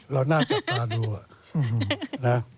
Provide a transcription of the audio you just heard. เราน่าจะกล้าดูอะ